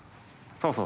そうそう。